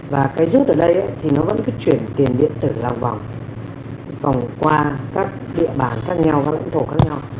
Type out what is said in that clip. và cái rút ở đây thì nó vẫn cứ chuyển tiền điện tử vào vòng qua các địa bản khác nhau các lãnh thổ khác nhau